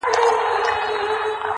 o خداى خپل بنده گوري، بيا پر اوري!